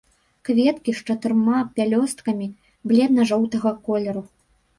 Кветкі з чатырма пялёсткамі, бледна-жоўтага колеру.